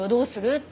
って。